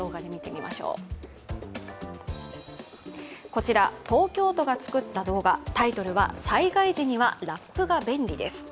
こちら、東京都が作った動画タイトルは「災害時にはラップが便利です」